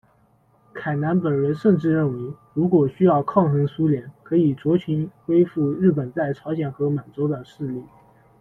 凯南本人甚至认为，如果需要抗衡苏联，可以酌情恢复日本在朝鲜和满洲的势力。